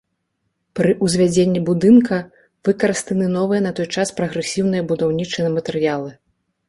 Пры ўзвядзенні будынка выкарыстаны новыя на той час прагрэсіўныя будаўнічыя матэрыялы.